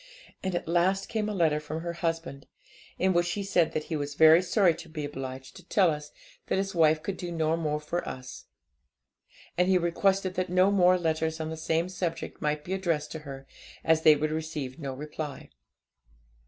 And at last came a letter from her husband, in which he said that he was very sorry to be obliged to tell us that his wife could do no more for us; and he requested that no more letters on the same subject might be addressed to her, as they would receive no reply.